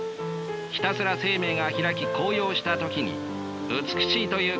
ひたすら生命が開き高揚した時に美しいという感動が起こるのだ。